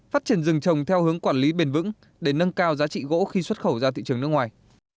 phát triển rừng trồng theo hướng quản lý bền vững để nâng cao giá trị gỗ khi xuất khẩu ra thị trường nước ngoài